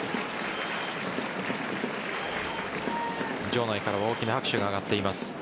場内からは大きな拍手が上がっています。